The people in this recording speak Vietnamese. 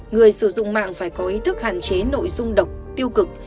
người sử dụng mạng phải có ý thức hạn chế nội dung độc tiêu cực